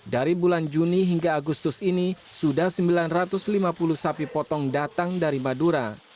dari bulan juni hingga agustus ini sudah sembilan ratus lima puluh sapi potong datang dari madura